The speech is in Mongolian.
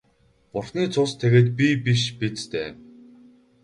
Бурхны цус тэгээд би биш биз дээ.